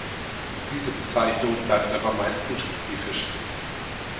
Diese Bezeichnung bleibt aber meist unspezifisch.